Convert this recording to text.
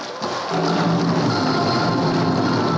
untuk berkongsi tentang hal tersebut